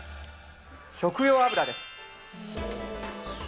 食用油です。